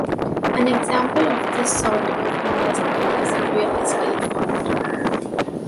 An example of this sort of investment is a real estate fund.